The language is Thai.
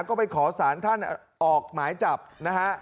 ก็ไปขอสารท่านออกหมายจับนะฮะ